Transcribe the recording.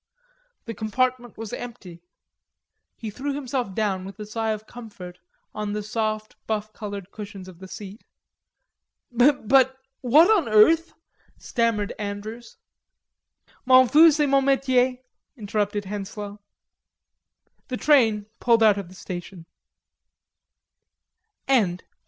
The compartment was empty. He threw himself down with a sigh of comfort on the soft buff colored cushions of the seat. "But what on earth?" stammered Andrews. "M'en fous, c'est mon metier," interrupted Henslowe. The train pulled out of the station.